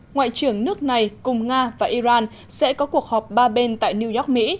ngoại trưởng nước này cùng nga và iran sẽ có cuộc họp ba bên tại new york mỹ